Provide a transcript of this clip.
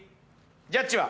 ジャッジは。